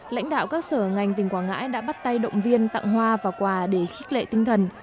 lãnh đạo các sở ngành tỉnh quảng ngãi đã bắt tay động viên tặng hoa và quà để khích lệ tinh thần